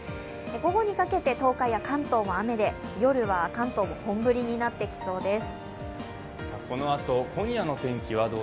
午後にかけて東海や関東も雨で、夜は関東は本降りになってきそうです。